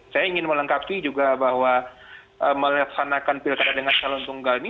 saya ingin melengkapi juga bahwa melaksanakan pilkada dengan calon tunggal ini